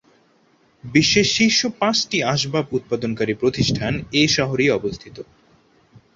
বিশ্বের শীর্ষ পাঁচটি আসবাব উৎপাদনকারী প্রতিষ্ঠান এ শহরেই অবস্থিত।